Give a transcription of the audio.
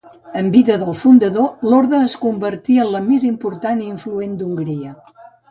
En vida del fundador, l'orde es convertí en la més important i influent d'Hongria.